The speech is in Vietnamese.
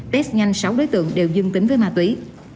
tết nhanh sáu đối tượng đều dưng tính với ma túy